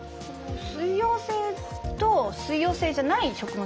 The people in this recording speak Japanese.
水溶性と水溶性じゃない食物